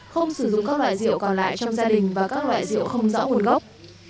không sử dụng các loại rượu còn lại trong gia đình và các loại rượu không rõ nguồn gốc